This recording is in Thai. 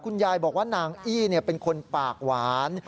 คุณยายบอกว่านางอี้เป็นคนปากหวาน